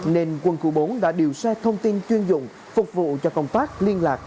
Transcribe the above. nên quân khu bốn đã điều xe thông tin chuyên dụng phục vụ cho công tác liên lạc